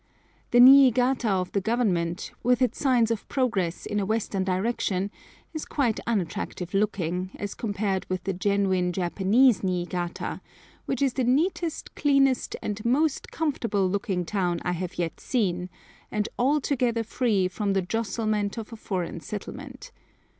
The Niigata of the Government, with its signs of progress in a western direction, is quite unattractive looking as compared with the genuine Japanese Niigata, which is the neatest, cleanest, and most comfortable looking town I have yet seen, and altogether free from the jostlement of a foreign settlement.